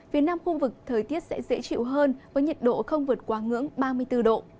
phía nam khu vực thời tiết sẽ dễ chịu hơn với nhiệt độ không vượt qua ngưỡng ba mươi bốn độ